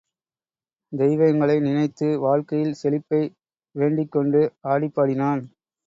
தெய்வங்களை நினைத்து வாழ்க்கையில் செழிப்பை வேண்டிக் கொண்டு ஆடிப்பாடினான்.